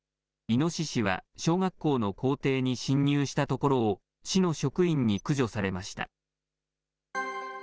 イノシシは小学校の校庭に侵入したところを、市の職員に駆除されました。